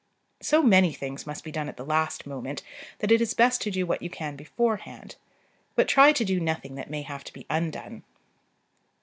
So many things must be done at the last moment, that it is best to do what you can beforehand; but try to do nothing that may have to be undone.